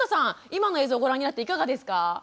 今の映像をご覧になっていかがですか？